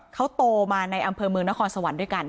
เขาโตมาในอำเภอเมืองนครสวรรค์ด้วยกัน